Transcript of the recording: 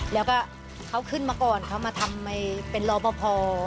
แล้วก็เขาขึ้นมาก่อนเขามาทำไมเป็นรอปภ